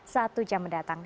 satu jam mendatang